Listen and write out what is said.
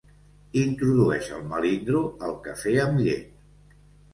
Introdueix el melindro al cafè amb llet.